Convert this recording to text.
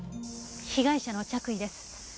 被害者の着衣です。